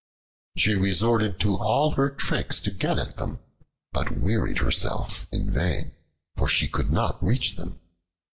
She resorted to all her tricks to get at them, but wearied herself in vain, for she could not reach them.